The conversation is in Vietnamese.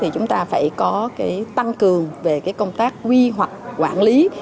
chúng ta phải có tăng cường về công tác quy hoạch quản lý